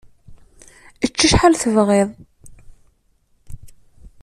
Ečč acḥal tebɣiḍ.